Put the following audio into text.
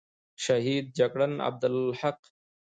شهید جگړن عبدالحق،